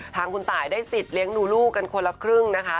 ทางคุณตายได้สิทธิ์เลี้ยงดูลูกกันคนละครึ่งนะคะ